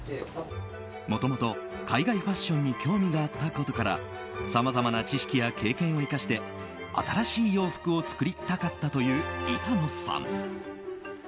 もともと、海外ファッションに興味があったことからさまざまな知識や経験を生かして新しい洋服を作りたかったという板野さん。